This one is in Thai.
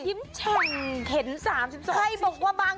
ยิ้มฉันเห็นสามสิบสาม